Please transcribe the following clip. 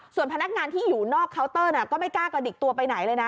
ส่วนพนักงานที่อยู่นอกเคาน์เตอร์ก็ไม่กล้ากระดิกตัวไปไหนเลยนะ